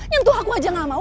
yang itu aku saja tidak mau